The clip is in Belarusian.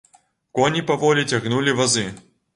Коні паволі цягнулі вазы.